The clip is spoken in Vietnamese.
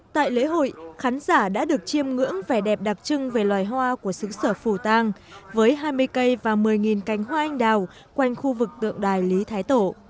tại lễ hội khán giả đã được chiêm ngưỡng vẻ đẹp đặc trưng về loài hoa của xứ sở phủ tàng với hai mươi cây và một mươi cánh hoa anh đào quanh khu vực tượng đài lý thái tổ